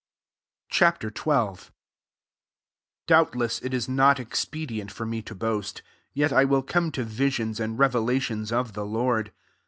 Ch. XII. 1 Doubtless it is not expedient for me to boast. Yet I will come to visions and revelations of the Lord.